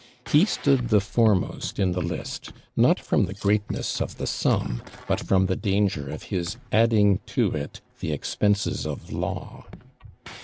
He stood the foremost in the list, not from the greatness of the sum, but from the danger of his adding to it the expenses of law.